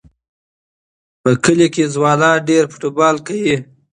په کلي کې ځوانان ډېر فوټبال کوي.